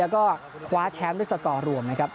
ก็คว้าแชมป์ด้วยสก่อร่วมนะครับ